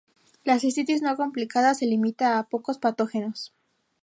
La cistitis no complicada se limita a pocos patógenos.